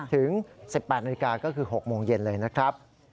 ถึง๑๘นาฬิกาก็คือ๖โมงเย็นเลยนะครับ